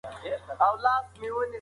ټولنپوهنه تعصب له منځه وړي.